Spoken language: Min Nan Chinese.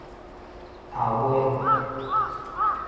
頭尾歲